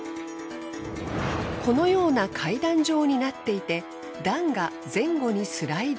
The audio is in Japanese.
このような階段状になっていて段が前後にスライド。